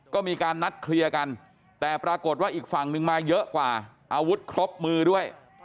ก็มีการนัดเคลียร์กันแต่ปรากฏว่าอีกฝั่งนึงมาเยอะกว่าอาวุธครบมือด้วย